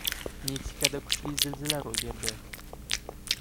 Meksikada kuchli zilzila ro‘y berdi